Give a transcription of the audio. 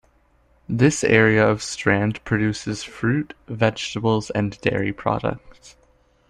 This area of Strand produces fruit, vegetables, and dairy products.